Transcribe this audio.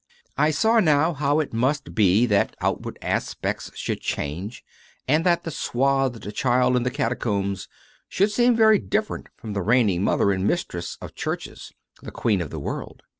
I saw now how it must be that outward aspects should change, and that the swathed child in the Catacombs should seem very different from the reigning mother and mistress of churches, the queen of the world.